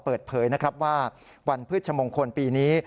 เปิดเผยนะครับว่าวันพฤชมงคลปีนี้